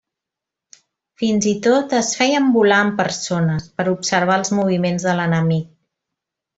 Fins i tot, es feien volar amb persones, per observar els moviments de l'enemic.